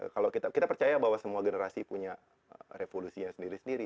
kalau kita percaya bahwa semua generasi punya revolusinya sendiri sendiri